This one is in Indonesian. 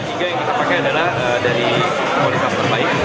tiga yang kita pakai adalah dari kualitas terbaik